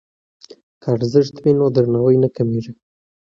که ارزښت وي نو درناوی نه کمېږي.